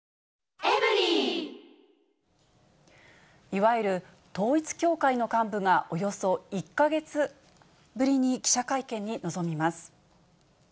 いわゆる統一教会の幹部が、およそ１か月ぶりに記者会見に臨みます。